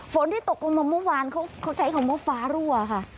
ฝนที่ตกลงมาเมื่อวานเขาใช้คำว่าฟ้ารั่วค่ะ